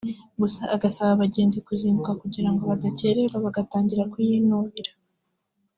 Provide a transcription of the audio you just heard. gusa agasaba abagenzi kuzinduka kugira ngo badakererwa bagatangira kuyinubira